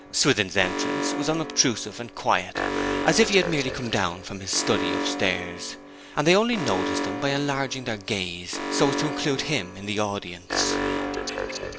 Swithin's entrance was unobtrusive and quiet, as if he had merely come down from his study upstairs, and they only noticed him by enlarging their gaze, so as to include him in the audience.